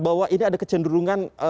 bahwa ini ada kecenderungan